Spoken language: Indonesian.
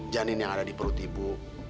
janin yang ada di perut ibu